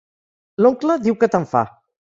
L'oncle diu que tant fa.